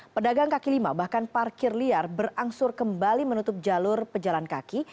pedagang kaki lima bahkan parkir liar berangsur kembali menutup jalur pejalan kaki